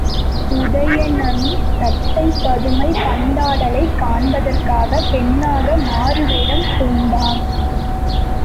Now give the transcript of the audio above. உதயணனும் தத்தை பதுமை பந்தாடலைக் காண்பதற்காகப் பெண்ணாக மாறுவேடம் பூண்டான்.